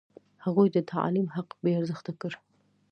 هغوی د تعلیم حق بې ارزښته کړ.